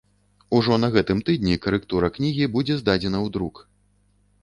Ужо на гэтым тыдні карэктура кнігі будзе здадзена ў друк.